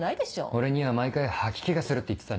俺には「毎回吐き気がする」って言ってたね。